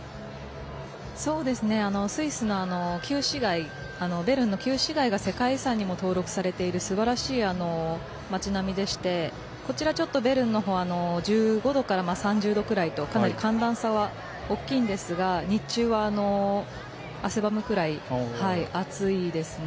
スイス・ベルンの旧市街世界遺産にも登録されているすばらしい街並みでしてこちら、ベルンの方１５度から３０度くらいとかなり寒暖差は大きいんですが日中は汗ばむくらい暑いですね。